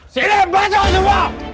sini masuk semua